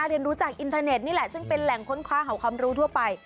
เรียนรู้จากอินเทอร์เน็ตนี่แหละซึ่งเป็นแหล่งค้นคว้าเห่าความรู้ทั่วไป